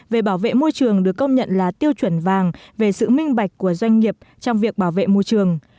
về bảo vệ môi trường được công nhận là tiêu chuẩn vàng về sự minh bạch của doanh nghiệp trong việc bảo vệ môi trường